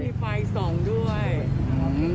แล้วไม่มีไฟส่องด้วย